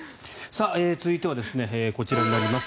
続いてはこちらになります。